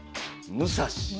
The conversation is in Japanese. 武蔵？